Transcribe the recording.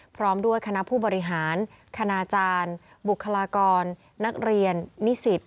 พร้อมด้วยคณะผู้บริหารคณาจารย์บุคลากรนักเรียนนิสิต